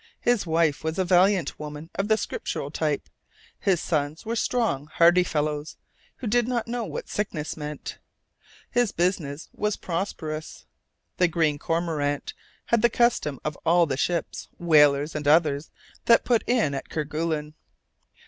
His wife was a "valiant" woman of the Scriptural type, his sons were strong, hardy fellows, who did not know what sickness meant. His business was prosperous. The Green Cormorant had the custom of all the ships, whalers and others, that put in at Kerguelen.